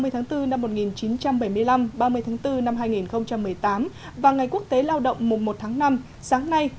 ba mươi tháng bốn năm một nghìn chín trăm bảy mươi năm ba mươi tháng bốn năm hai nghìn một mươi tám và ngày quốc tế lao động mùa một tháng năm sáng nay